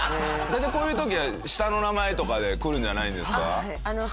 こういう時は下の名前とかでくるんじゃないんですか？